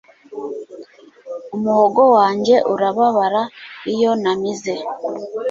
Umuhogo wanjye urababara iyo namize